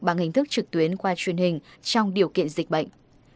bằng hình thức trực tuyến qua truyền hình trong điều kiện dịch bệnh